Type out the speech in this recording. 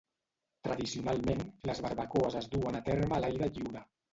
Tradicionalment, les barbacoes es duen a terme a l'aire lliure.